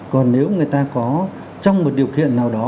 còn nếu người ta có trong một điều kiện nào đó